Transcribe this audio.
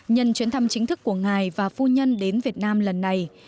nhân chuyến thăm chính thức của ngài và phu nhân đến việt nam lần này